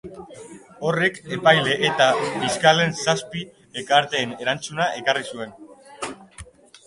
Horrek epaile eta fiskalen zazpi elkarteen erantzuna ekarri zuen.